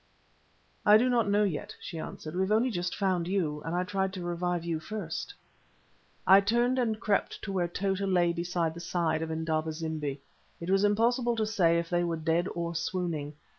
"I do not know yet," she answered. "We have only just found you, and I tried to revive you first." I turned and crept to where Tota lay by the side of Indaba zimbi. It was impossible to say if they were dead or swooning.